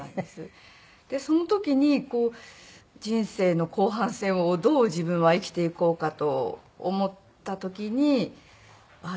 でその時に人生の後半戦をどう自分は生きていこうかと思った時に。